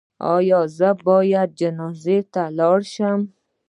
ایا زه باید جنازې ته لاړ شم؟